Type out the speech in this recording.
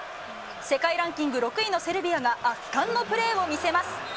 世界ランキング６位のセルビアが圧巻のプレーを見せます。